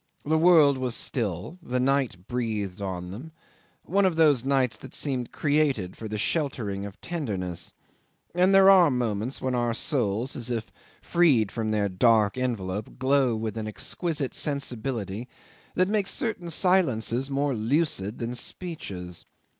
The world was still, the night breathed on them, one of those nights that seem created for the sheltering of tenderness, and there are moments when our souls, as if freed from their dark envelope, glow with an exquisite sensibility that makes certain silences more lucid than speeches.